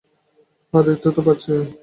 হ্যাঁ, দেখতে তো পাচ্ছিই।